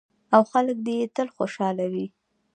او خلک دې یې تل خوشحاله وي.